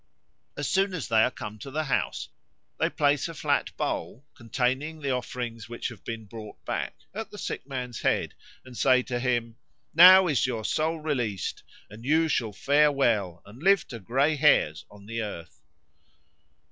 As soon as they are come to the house they place a flat bowl containing the offerings which have been brought back at the sick man's head, and say to him: "Now is your soul released, and you shall fare well and live to grey hairs on the earth."